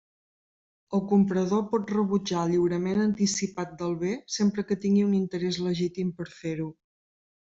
El comprador pot rebutjar el lliurament anticipat del bé sempre que tingui un interès legítim per a fer-ho.